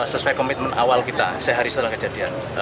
sesuai komitmen awal kita sehari setelah kejadian